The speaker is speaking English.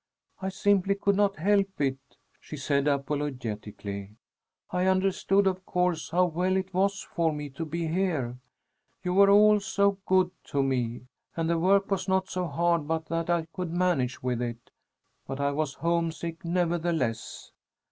"I simply could not help it," she said apologetically. "I understood, of course, how well it was for me to be here; you were all so good to me, and the work was not so hard but that I could manage with it, but I was homesick nevertheless.